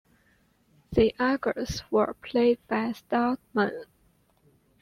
The Augers were played by stuntmen.